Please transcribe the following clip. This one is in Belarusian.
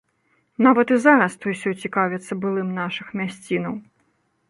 Нават і зараз той-сёй цікавіцца былым нашых мясцінаў.